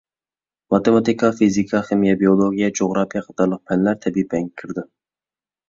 ماتېماتىكا، فىزىكا، خىمىيە، بىئولوگىيە، جۇغراپىيە قاتارلىق پەنلەر تەبىئىي پەنگە كىرىدۇ.